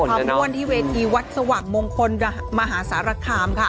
ม่วนที่เวทีวัดสว่างมงคลมหาสารคามค่ะ